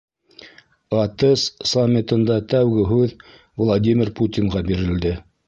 АТЭС саммитында тәүге һүҙ Владимир Путинға бирелде.